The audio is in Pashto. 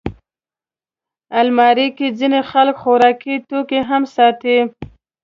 الماري کې ځینې خلک خوراکي توکي هم ساتي